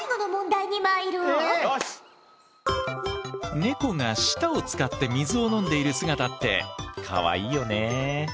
ネコが舌を使って水を飲んでいる姿ってかわいいよね。